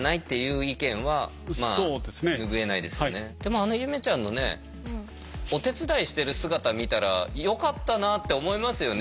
あのゆめちゃんのねお手伝いしてる姿見たらよかったなって思いますよね。